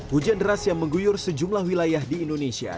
hujan deras yang mengguyur sejumlah wilayah di indonesia